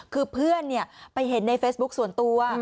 คือเพื่อนไปเห็นในเฟซบุ๊คส่วนตัว